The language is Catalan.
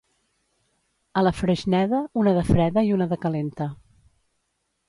A la Freixneda, una de freda i una de calenta.